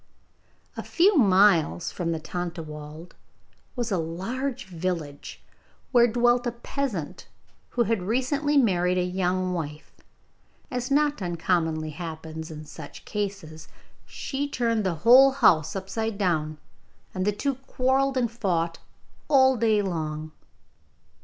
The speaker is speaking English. A few miles from the Tontlawald was a large village, where dwelt a peasant who had recently married a young wife. As not uncommonly happens in such cases, she turned the whole house upside down, and the two quarrelled and fought all day long.